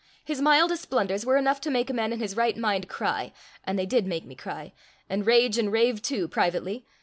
His mildest blunders were enough to make a man in his right mind cry; and they did make me cry&#8212and rage and rave too, privately.